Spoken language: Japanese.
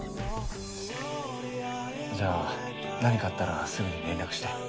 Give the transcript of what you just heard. じゃあ何かあったらすぐに連絡して。